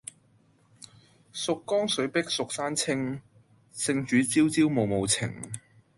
蜀江水碧蜀山青，聖主朝朝暮暮情。